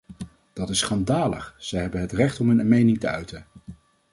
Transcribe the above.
Dat is schandalig, zij hebben het recht om hun mening te uiten.